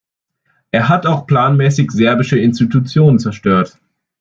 Er hat auch planmäßig serbische Institutionen zerstört.